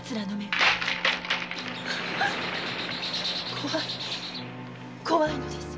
怖い怖いのです。